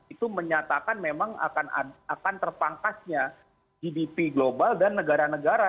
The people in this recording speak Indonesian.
itu menyatakan memang akan terpangkasnya gdp global dan negara negara